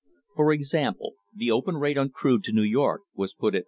For example, the open rate on crude to New York was put at $2.